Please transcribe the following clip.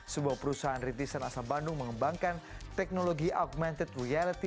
sebuah perusahaan rintisan asal bandung mengembangkan teknologi augmented reality